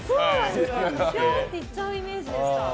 ぴょーんって行っちゃうイメージでした。